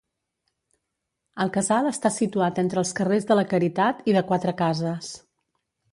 El casal està situat entre els carrers de la caritat i de quatre cases.